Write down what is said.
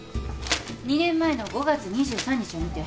２年前の５月２３日を見て。